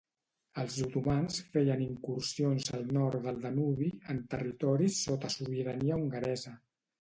Els otomans feien incursions al nord del Danubi, en territoris sota sobirania hongaresa.